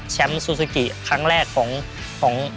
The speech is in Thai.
แชมป์ซูซูกิครั้งแรกของ